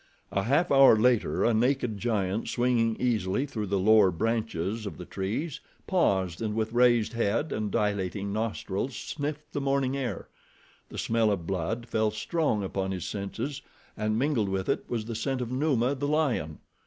A half hour later a naked giant, swinging easily through the lower branches of the trees, paused, and with raised head, and dilating nostrils sniffed the morning air. The smell of blood fell strong upon his senses, and mingled with it was the scent of Numa, the lion.